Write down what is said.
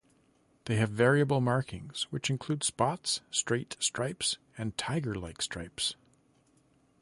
They have variable markings, which include spots, straight stripes, and tiger-like stripes.